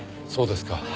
そうですか。